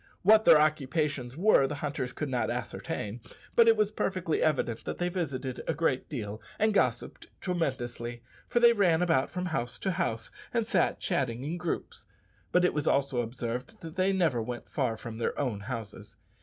What their occupations were the hunters could not ascertain, but it was perfectly evident that they visited a great deal and gossiped tremendously, for they ran about from house to house, and sat chatting in groups; but it was also observed that they never went far from their own houses.